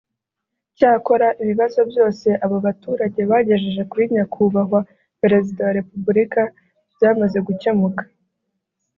Cyakora ibibazo byose abo baturage bagejeje kuri Nyakubahwa Perezida wa Repubulika byamaze gukemuka